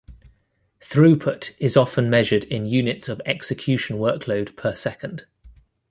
Throughput is often measured in units of execution workload per second.